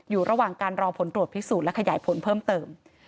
อยู่ระหว่างการรอผลตรวจพิสูจน์และขยายผลเพิ่มเติม